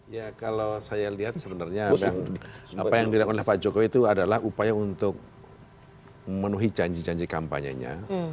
ya kalau saya lihat sebenarnya apa yang dilakukan oleh pak jokowi itu adalah upaya untuk memenuhi janji janji kampanyenya